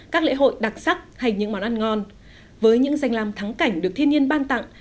các lễ hội đặc sắc hay những món ăn ngon với những danh làm thắng cảnh được thiên nhiên ban tặng